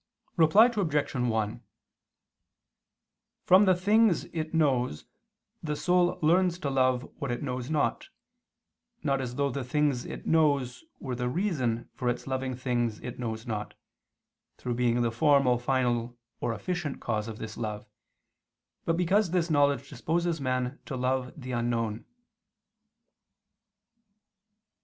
Reply Obj. 1: From the things it knows the soul learns to love what it knows not, not as though the things it knows were the reason for its loving things it knows not, through being the formal, final, or efficient cause of this love, but because this knowledge disposes man to love the unknown.